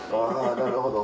なるほど。